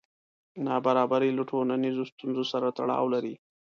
نابرابري له ټولنیزو ستونزو سره تړاو لري.